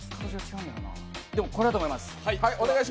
でも、これだと思います。